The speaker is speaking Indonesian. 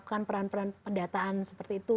siap untuk melakukan peran peran pendataan seperti itu